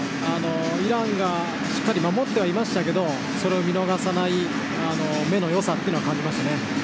イランがしっかり守っていましたがそれを見逃さない目のよさというのがありました。